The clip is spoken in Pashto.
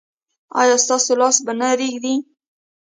ایا ستاسو لاس به نه ریږدي؟